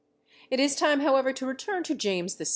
It is time, however, to return to James VI.